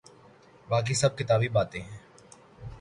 باقی سب کتابی باتیں ہیں۔